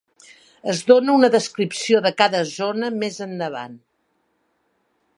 Es dona una descripció de cada zona més endavant.